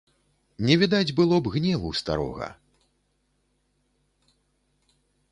Не відаць было б гневу старога.